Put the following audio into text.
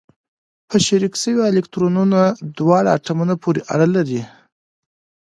په شریک شوي الکترونونه دواړو اتومونو پورې اړه لري.